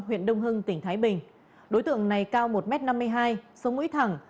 huyện đông hưng tỉnh thái bình